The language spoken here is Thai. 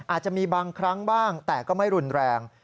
อาจจะมีบางครั้งบ้างแต่ก็ไม่รุนแรง